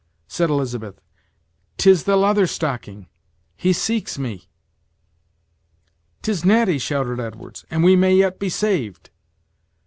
said Elizabeth; "'tis the Leather Stocking; he seeks me!" "'Tis Natty!" shouted Edwards, "and we may yet be saved!"